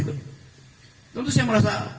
tentu saya merasa